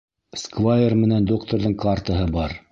Сквайр менән докторҙың картаһы бар.